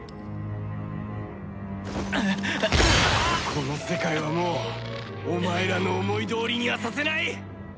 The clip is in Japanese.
この世界はもうお前らの思いどおりにはさせない！